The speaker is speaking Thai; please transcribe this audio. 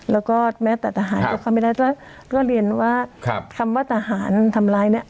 แล้วก็แม้แต่ทหารก็เข้าไม่ได้ก็เรียนว่าคำว่าทหารทำร้ายเนี่ย